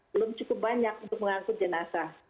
belum cukup banyak untuk mengangkut jenazah